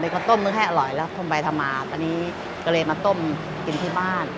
เด็กเขาต้มเนื้อให้อร่อยแล้วต้มไปทำมาตอนนี้ก็เลยมาต้มกินที่บ้าน